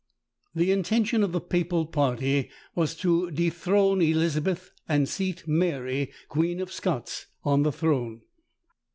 The intention of the papal party was to dethrone Elizabeth, and seat Mary, queen of Scots, on the throne.